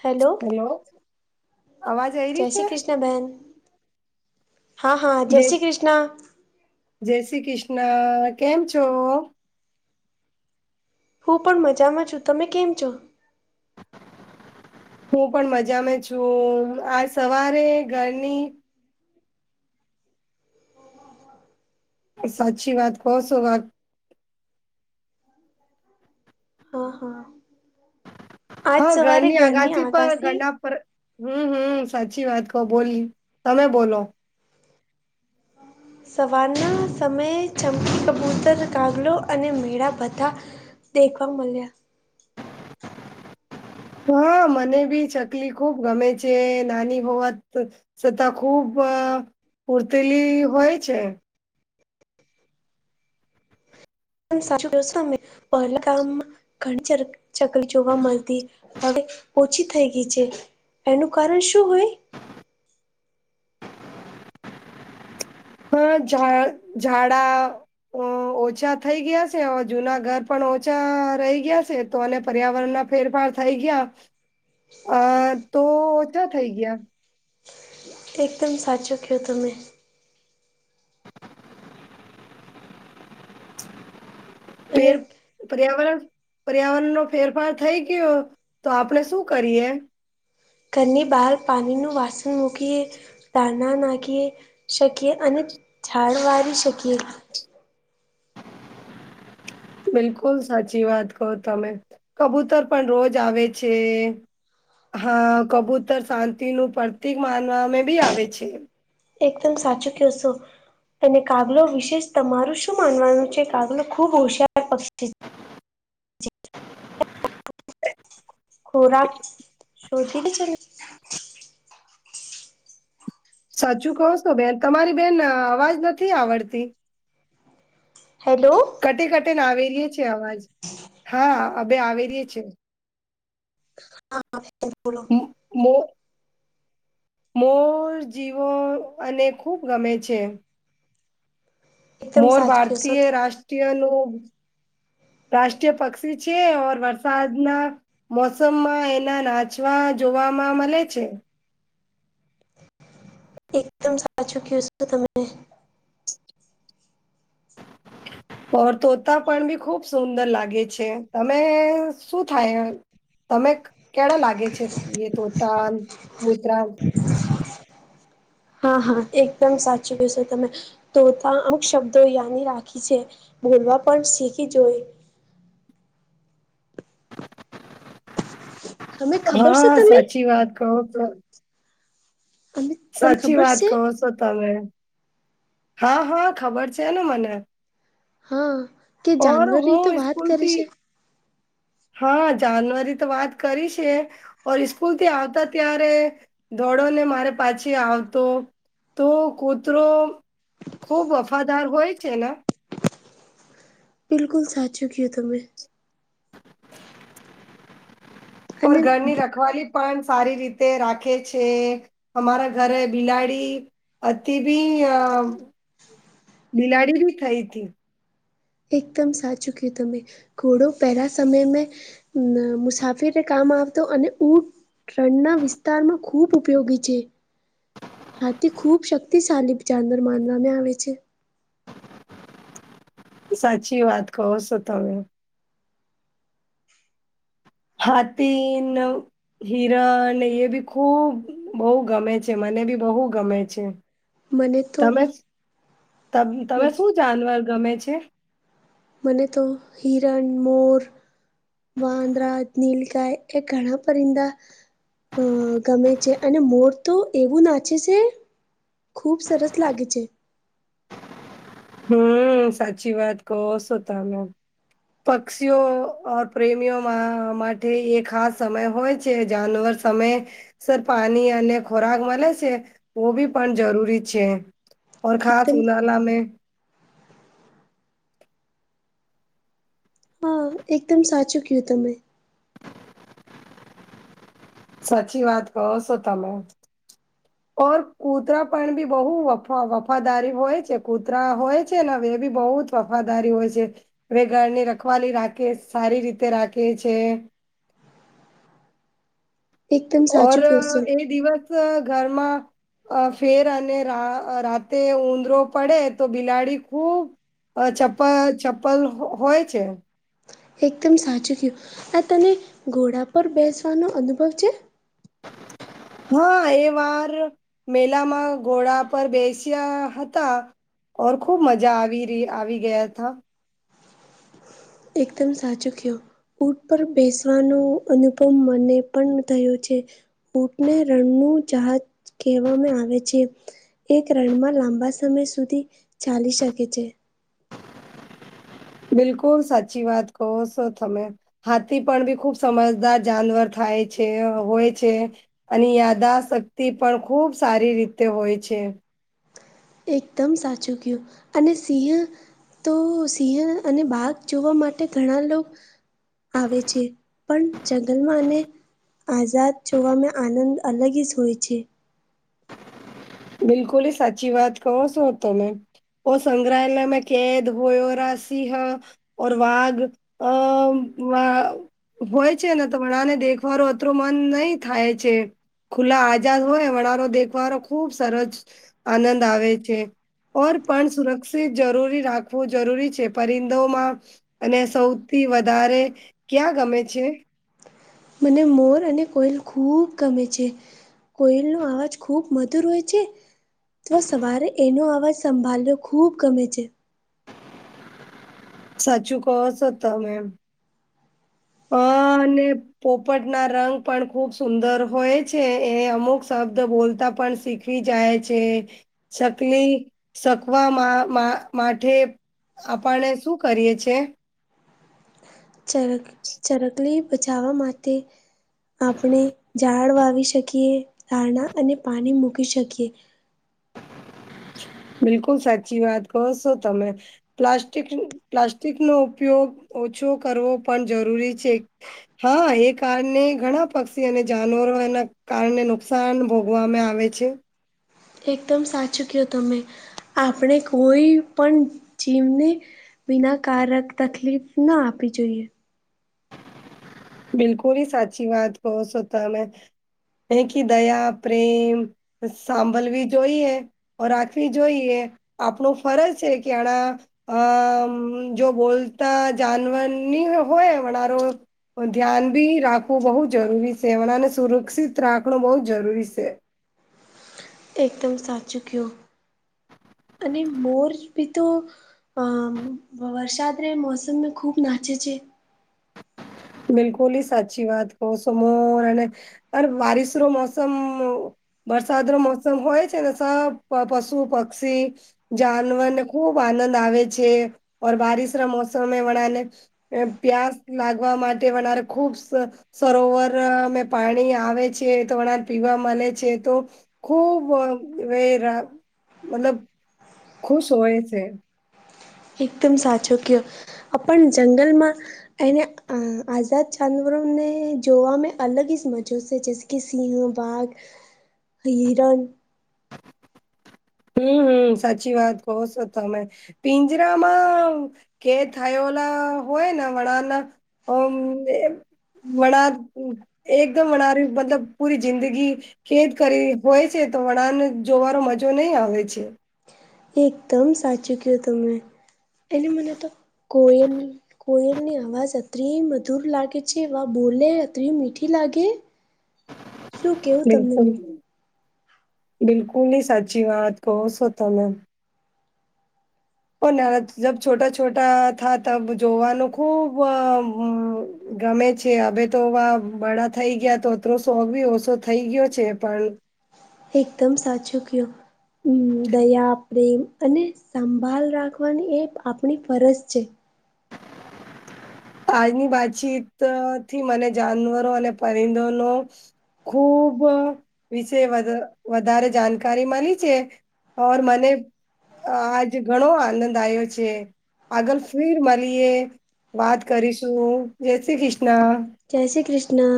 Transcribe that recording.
Hello hello અવાજ આઈ જય રહી છે શ્રી કૃષ્ણ બહેન હા હા જે જય શ્રી કૃષ્ણ જય શ્રી કૃષ્ણ કેમ છો હું પણ મજામાં છું તમે કેમ છો હું પણ મજામાં છું આજ સવારે ઘરની સાચી વાત કોશો વાત હા હા આજ હા સવારે ઘરની આગાદી પર આગાસી ઘરડા પર હમ હમ સાચી વાત કહો બોલી તમે બોલો સવારના સમયે ચમકી કબૂતર કાગલો અને મેળા બધા દેખવા મળ્યા હા મને બી ચકલી ખુબ ગમે છે નાની હોવાત સતા ખુબ પૂર્તીલી હોય છે સાચું જોશો અમે પહેલા કામમાં ઘણી ચકલી જોવા મળતી હવે ઓછી થઈ ગઈ છે એનું કારણ શું હોય હા ઝાડા અ ઓછા થઈ ગયા છે જૂના ઘર પણ ઓછા રહી ગયા છે તો અને પર્યાવરણ ના ફેરફાર થઈ ગયા અ તો ઓછા થઈ ગયા એકદમ સાચો કહો તમે [inaudible] અને પેર પર્યાવરણ પર્યાવરણ નો ફેરફાર થઈ ગયો તો આપણે શું કરીએ ઘ બહાર પાણીનું વાસણ મૂકીએ તાણા નાખી શકીએ અને ઝાડ વારી શકીએ બિલકુલ સાચી વાત કહો તમે કબૂતર પણ રોજ આવે છે હા કબૂતર શાંતિનુ પ્રતીિક માનવામાં બી આવે છે એકદમ સાચું કહશો અનેને કાગલો વિશેષ તમારું શું માનવાનું છે કાગલો ખુબ હોશયાર પક્ષી ખોરાક શજીથી ચ સાચું કહો છો બેન તમારી બેન અવાજ નથી આવડતી હેલો કટે કટે ને આવે ર છે અવાજ હા અ આવે ર છ છે હા મો મોર જીવો અને ખૂબ ગમે છે. એકદમ મોર સાચું કહેશો ભારતીય તમે રાષ્ટ્રીયનું રાષ્ટ્રીય પક્ષી છે ઓર વરસાદનાં મોસમમાં એના નાચવા જોવામાં મલે છે. એકદમ સાચું કયુ સ તો તમે ફર ધોતા પણ બી ખુબ સુંદર લાગે છે, તમે શું થાય એમ? તમે કેડા લાગે છે એ ધોતા ન મુસરા ન હાં હાં એકદમ સાચું કેવ સો તમે તો તાં અમુક શબ્દો યાની રાખી છે બોલવા પણ શીખી જોઈ. હમે ખબર છે હાં તમે સાચી વાત કવ તો અને તને સાચી ખબર વાત છે કો સો તમે હાં હાં ખબર છે ને મને હાં કે ઓર જાનવરી તો હું વાત કરી સ્કૂલથી સે હા જાનવરી તો વાત કરી સે ઓર ઈસ્કૂલ થી આવતા ત્યારે દોડો ને મારે પાછી આવતો તો કૂતરો ખુબ વફાદાર હોય છે ના બિલકુલ સાચું કયુ તમે અમાર અને ઘરની રખવાલી પન સારી રીતે રાખે છે અમારા ઘરે બિલાડી અતી બી અ બિલાડી બી થઈ તી એકદમ સાચું કી તમે ઘોડો પેહલાં સમયમેં ન મુસાફિરે કામ આવતો અને ઊંટ રણના વિસ્તારમાં ખૂબ ઉપયોગી છે. હાથી ખૂબ શક્તિશાલી જાનવર માનવામેં આવે છે. સાચી વાત કહો સો તમે હાથીનો હિરન એ બી ખુબ બઉ ગમે છે મને બી બહુ ગમે છે. મને તો તમે તમે શું જાનવર ગમે છે? મને તો હિરન, મોર વાંદરા, નીલગાય એ ઘણા પરિંદા અ ગમે છે અને મોર તો એવું નાચે છે. ખૂબ સરસ લાગે છે. હમ સાચી વાત કહો સો તમે પક્ષીઓ અ પ્રેમીઓ મા માટે એ ખાસ સમય હોય છે જાનવર તમે સર પાની અને ખોરાક મલે સે ઓ બી પણ જરૂરી છે. ઓર ખાસ એકદમ ઉનાલા મે હ એકદમ સાચું કયુ તમે સાચી વાત કહો સો તમે ઓર કૂતરા પણ બી બઉ વ વફાદારી હોય છે કૂતરા હોય છે ને વે એ બી બઉજ વફાદારી હોય છે વે ઘરની રખવાલી રાખે સારી રીતે રાખે છે એકદમ ઓર સાચું કયો છો. એ દિવસ ઘરમાં અ ફેર અને રા અ રાતે ઉંદરો પડે તો બિલાડી ખૂબ અ ચપ્પ ચપ્પલ હોય છે. એકદમ સાચું કયું, આ તને ઘોડા પર બેસવાનો અનુભવ છે? હાં એ વાર મેલામાં ઘોડા પર બેસ્યા હતા. ઓર ખુબ મજા આવી રી આવી ગયા થા એકદમ સાચું કયો ઊટ પર બેસવાનુ અનુભવ મને પણ થયો છે. ઊંટને રણનું જહાજ કેહવામે આવે છે. એક રણમાં લાંબા સમય સુધી ચાલી શકે છે. બિલકુલ સાચી વાત કહો સો તમે હાથી પણ બી ખુબ સમજદાર જાનવર થાય છે હોય છે. અને યાદાશક્તિ પણ ખૂબ સારી રીતે હોય છે. એકદમ સાચું કયું અને સિંહ તો સિંહ અને બાક જોવા માટે ઘણા લોકો આવે છે પણ જંગલમાં આઝાદ છવામાં આનંદ અલગ સ હોય છે. બિલકુલ એ સાચી વાત કહો છો તમે. ઓ સંગ્રહાલયમાં કેદ હોયોરા સિંહ ઓર વાઘ અ વા હોય છે ને તો બધાને દેખવાનું અતું મન નહી થાય છે. ખુલ્લા આઝાદ હોય વણરો દેખવારો ખુબ સરસ આનંદ આવે છે. ઓર પણ સુરક્ષિત જરૂરી રાખવું જરૂરી છે પરિંદોમાં અને સૌથી વધારે ક્યાં ગમે છે. મને મોર અને કોઈલ ખૂબ ગમે છે. કોયલ ન અવાજ ખૂબ મધુર હોય છે. તો સવારે એનો અવાજ સંભાળ્યો ખૂબ ગમે છે. સાચું કહો છો તમે. અ અને પોપટ ના રંગ પણ ખુબ સુંદર હોય છે એ અમુક શબ્દ બોલતા પણ શીખે ખી જાય છે ચકલી સક માથે આપણે શું કરીએ છે. ચરક ચરકલી બચાવવા માટે આપણે ઝાડ વાવી શકીએ, ધારણા અને પાણી મૂકી શકીએ. બિલકુલ સાચી વાત કો છો તમે. પ્લાસ્ટિક પ્લાસ્ટિકનો ઉપયોગ ઓછો કરવો પણ જરૂરી છે. હા એ કારણે ઘણા પક્ષી અને જાનવરો એના કારને નુકસાન ભો ગોવાવામાં આવેે છે. એકદમ સાચું કહો તમે આપણે કોઈ પણ જીવને વિના કારક તકલીફ ના આપવી જોઈએ. બિલકુલ હ સાચી વાત કહો છો તમે. એ કી દયા પ્રેમ સાંભળવી જોઈએ રાખવી જોઈએ આપણ ફરજ છે કે આના અમ જો બોલતા જાનવરની હોય વરો ધ્યાન બી રાખવું બહુ જરૂરી છેમણાને સુરક્ષિત રાખવું બહુ જ જરૂરી છે. એકદમ સાચું કીધું. અને મોર બી તો વરસાદ રહે મોસમમાં ખૂબ નાચે છે. બિલકુલ સાચી વાત કહ સ મોર અને ત બરિશ ન મોસમ વરસાદ ન મોસમ હોય છે ને સ પશુ પક્ષી જાનવરને ખુબ આનંદ આવે છે ઓર બારિશ ના મોસમે વણા ને પ્યાસ લાગવા માટે વનારે ખુબ સરોવર અમે પાણી આવે છે તો વણાર પીવા મળે છે તો ખુબ મતલબ ખુશ હોય છે. એકદમ સાચો કયો આપ જંગલમાં એને આઝાદ જાનવરોને જોવામાં અલગ જ મજો છે જે કે સિહ, બાઘ, હિરણ. હમ્મ સાચી વાત કહો છો તમે. પિંજરામાં કેદ થયેલા હોયને વણાના અમ વણા એકદમ વનારી મતલબ પૂરી જિંદગી ખેદ કરી હોય છે તો વડાન જોવાનો મજો નહી આવે છે. એકદમ સાચું કીધું તમે એને મને તો કોયલ કોયલની અવાજ અતરી મધુર લાગે છે વા બોલે અતરી મીઠી લાગે શું કેવું તમને બિલકુલ, બિલકુલ હી સાચી વાત કહો સો તમે. ઓ નાથ જબ છોટા છોટા થા તબ જોવાનું ખુબ અ ગમે છે હવે તો વા બડા થઈ ગયા તો તો શોખ બી ઓછો થઈ ગયો છે પણ એકદમ સાચું કયો હમ દયા, પ્રેમ અને સાંભાલ રાખવાની એક આપણી ફરજ છે. આજની વાતચીત થી મને જાનવરો અને પરિંદોનો ખુબ વિશે વધ વધારે જાનકારી મલી છે. ઓર મને અ આજ ઘણો આનંદ આયો છે આગળ ફીર મલીએ વાત કરીશું, જે શ્રી ક્રિષ્ના. જય શ્રી ક્રિષ્ણ.